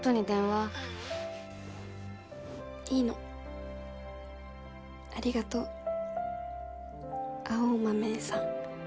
☎ううんいいのありがとう青豆さん